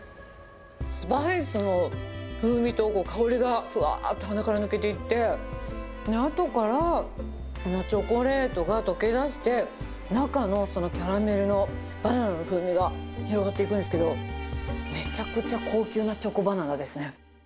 スパイスの風味と香りがふわーっと鼻から抜けていって、あとからチョコレートが溶けだして、中のキャラメルのバナナの風味が広がっていくんですけど、めちゃくちゃ高級なチョコバナナですね。